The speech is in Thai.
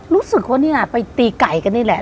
รู้สึกว่านี่แหละไปตีไก่กันนี่แหละ